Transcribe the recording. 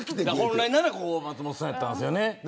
本来ならここ松本さんだったんですよね。